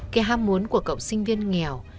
cái ham muốn của cậu sinh viên nghèo